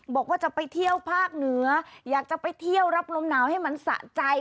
บอกว่าจะไปเที่ยวภาคเหนืออยากจะไปเที่ยวรับลมหนาวให้มันสะใจ